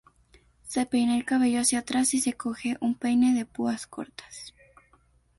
Se peina el cabello hacia atrás y se coge un peine de púas cortas.